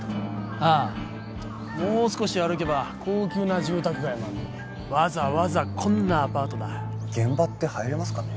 ああもう少し歩けば高級な住宅街もあるのにわざわざこんなアパートだ現場って入れますかね？